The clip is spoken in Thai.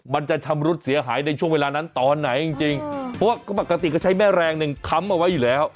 มันจะชำรุดเสียหายในช่วงเวลานั้นตอนไหนจริงเพราะว่าก็ปกติก็ใช้แม่แรงหนึ่งค้ำเอาไว้อยู่แล้ว